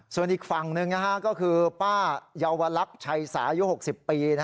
ส่วนอีกฝั่งหนึ่งก็คือป้าเยาวลักษณ์ชัยสายุ๖๐ปี